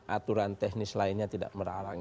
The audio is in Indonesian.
aturan teknis lainnya tidak melarang